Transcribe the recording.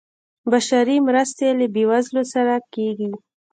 بشري مرستې له بیوزلو سره کیږي